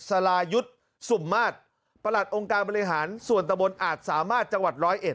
สลายุทธ์สุ่มมาตรประหลัดองค์การบริหารส่วนตะบนอาจสามารถจังหวัดร้อยเอ็